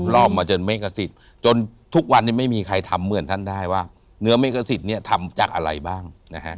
รอบมาจนเมฆสิทธิ์จนทุกวันนี้ไม่มีใครทำเหมือนท่านได้ว่าเนื้อเมฆสิทธิ์ทำจากอะไรบ้างนะฮะ